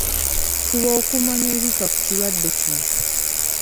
Fuba okumanya ebifa ku kirwadde kino.